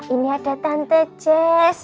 ini ada tante jess